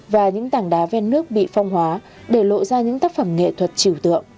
và những tảng đá ven nước bị phong hóa để lộ ra những tác phẩm nghệ thuật chiều tượng